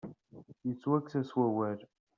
Yettwakkes-as wawal.